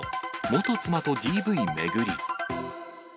元妻とＤＶ巡り。